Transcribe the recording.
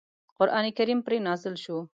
قرآن کریم پرې نازل شو.